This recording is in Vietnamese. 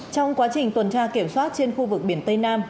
trong quá trình tuần tra kiểm soát trên khu vực biển tây nam